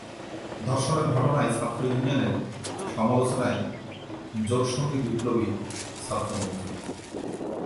ধর্ষণের ঘটনায় ছাত্র ইউনিয়নের সমালোচনায় জোটসঙ্গী বিপ্লবী ছাত্র মৈত্রী